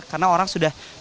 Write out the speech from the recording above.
karena orang sudah